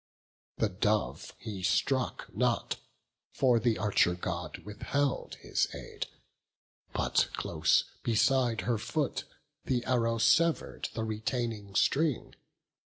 The dove he struck not, for the Archer God Withheld his aid; but close beside her foot The arrow sever'd the retaining string.